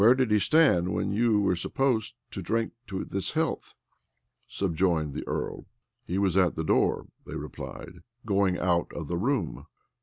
"Where did he stand when you were supposed to drink this health?" subjoined the earl, "He was at the door," they replied, "going out of the room."